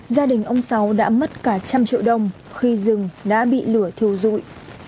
gia đình ông sáu đã mất cả trăm triệu đồng khi rừng đã bị lửa thiêu rụi